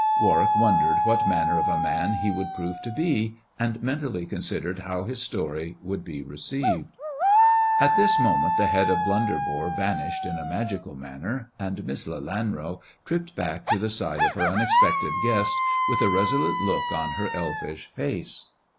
Warwick wondered what manner of a man he would prove to be, and mentally considered how his story would be received. At this moment the head of Blunderbore vanished in a magical manner, and Miss Lelanro tripped back to the side THE dwarf's chamber 83 of her unexpected guest with a resolute look on her elfish face.